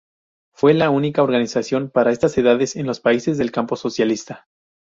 Fue la única organización para estas edades en los países del campo socialista.